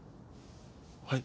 はい。